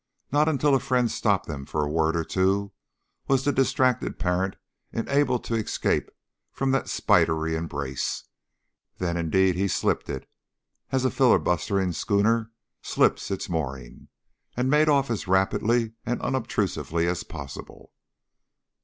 Not until a friend stopped them for a word or two was the distracted parent enabled to escape from that spidery embrace; then, indeed, he slipped it as a filibustering schooner slips its moorings, and made off as rapidly and as unobtrusively as possible.